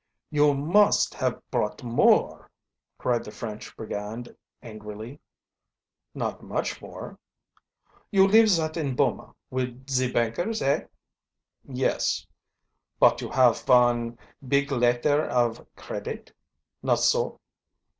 "You must haf brought more!" cried the French brigand angrily. "Not much more." "You leave zat in Boma, wid ze bankers, eh?" "Yes." "But you haf von big lettair of credit, not so?"